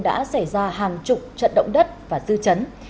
đã xảy ra hàng chục trận động đất và dư chấn